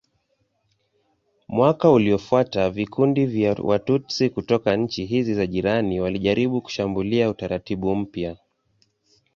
Mwaka uliofuata vikundi vya Watutsi kutoka nchi hizi za jirani walijaribu kushambulia utaratibu mpya.